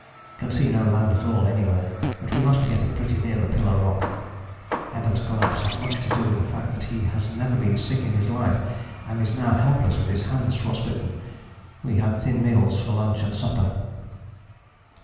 Can see no land at all anywhere, but we must be getting pretty near the Pillar Rock. Evans' collapse has much to do with the fact that he has never been sick in his life and is now helpless with his hands frost bitten. We had thin meals for lunch and supper."